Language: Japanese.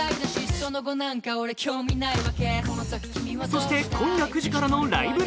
そして今夜９時からの「ライブ！